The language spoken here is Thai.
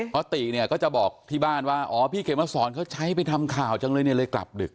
เพราะติเนี่ยก็จะบอกที่บ้านว่าอ๋อพี่เขมสอนเขาใช้ไปทำข่าวจังเลยเนี่ยเลยกลับดึก